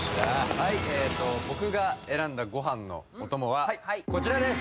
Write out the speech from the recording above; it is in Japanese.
はい僕が選んだご飯のお供はこちらです！